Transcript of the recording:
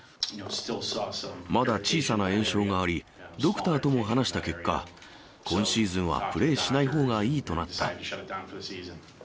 まだ小さな炎症があり、ドクターとも話した結果、今シーズンはプレーしないほうがいいとなった。